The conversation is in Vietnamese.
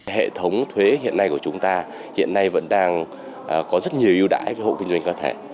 hệ thống thuế hiện nay của chúng ta hiện nay vẫn đang có rất nhiều ưu đãi với hộ kinh doanh cá thể